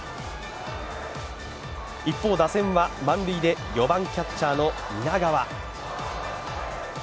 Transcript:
一方、打線は満塁で４番・キャッチャーの南川。